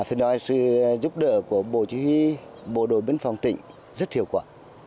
thì nói sự giúp đỡ của bộ chí huy bộ đội biên phòng tỉnh rất hiệu quả